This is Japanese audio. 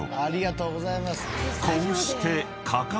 ［こうして］